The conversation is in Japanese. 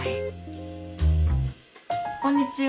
こんにちは。